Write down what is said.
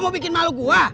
lu mau bikin malu gua